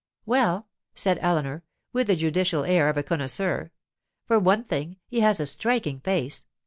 'Well,' said Eleanor, with the judicial air of a connoisseur, 'for one thing, he has a striking face.